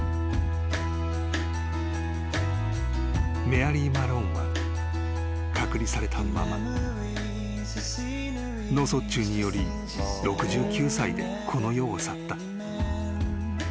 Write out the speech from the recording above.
［メアリー・マローンは隔離されたまま脳卒中により６９歳でこの世を去った］